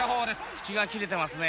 口が切れてますね。